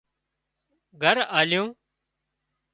گھر آليُون